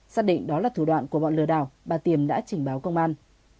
xác định đó là thủ đoạn của bọn lừa đào bà tiềm đã chỉnh báo công an